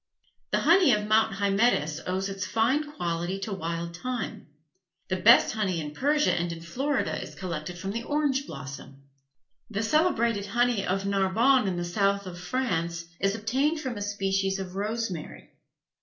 The honey of Mount Hymettus owes its fine quality to wild thyme. The best honey in Persia and in Florida is collected from the orange blossom. The celebrated honey of Narbonne in the south of France is obtained from a species of rosemary.